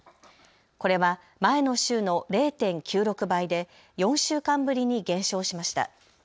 これは前の週の０．９６倍で４週間ぶりに減少しました。